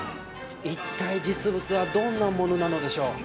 一体実物はどんなものなのでしょう。